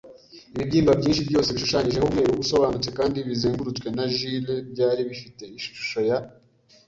ibibyimba byinshi, byose bishushanyijeho umweru usobanutse kandi bizengurutswe na gile, byari bifite ishusho ya